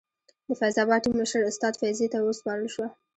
د فیض اباد ټیم مشر استاد فیضي ته وسپارل شوه.